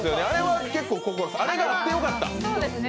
あれがあってよかった。